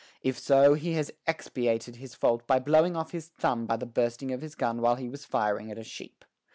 If so, he has expiated his fault by blowing off his thumb by the bursting of his gun while he was firing at a sheep.